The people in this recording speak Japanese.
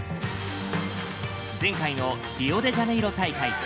前回のリオデジャネイロ大会。